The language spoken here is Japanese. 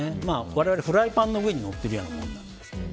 我々、フライパンの上に乗っているようなものなんですけど。